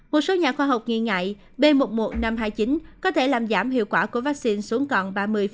một số nhà khoa học nghi ngại b một mươi một nghìn năm trăm hai mươi chín có thể làm giảm hiệu quả của vaccine xuống còn ba mươi